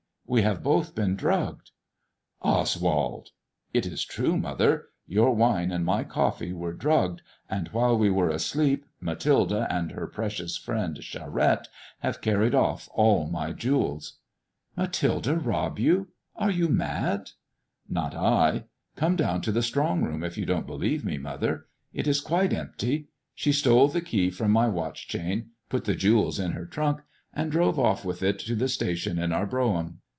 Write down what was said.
We have both been drugged." Oswald 1 "It is true, mother. Your wine and my coffee were drugged, and while we were asleep, Mathilde and her precious friend, Oharette, have carried off all my jewels." " Mathilde rob you I Are you mad ]"Not L Come dgwn to the strong room, if you don't 882 MY COUSIN FROM FRANCE believe me, mother. It is quite empty ; she stole the key from my watch chain, put the jewels in her trunk, and drove off with it to the station in our brougham."